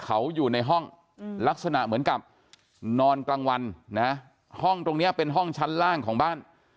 เขาอยู่ในห้องลักษณะเหมือนกับนอนกลางวันนะห้องตรงนี้เป็นห้องชั้นล่างของบ้าน